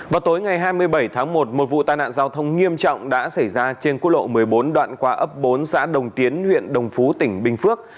vào tối ngày hai mươi bảy tháng một một vụ tai nạn giao thông nghiêm trọng đã xảy ra trên quốc lộ một mươi bốn đoạn qua ấp bốn xã đồng tiến huyện đồng phú tỉnh bình phước